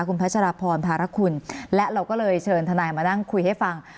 คุณพัชรพรภารคุณและเราก็เลยเชิญทนายมานั่งคุยให้ฟัง